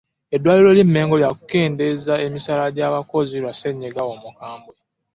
Eddwaliro ly'e Mmengo lya kukendeeza emisaala gy'abakozi lwa ssenyiga Omukambwe